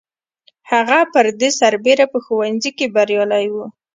هغه پر دې سربېره په ښوونځي کې بریالی و